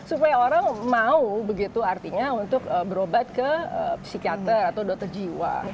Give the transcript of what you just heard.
supaya orang mau begitu artinya untuk berobat ke psikiater atau dokter jiwa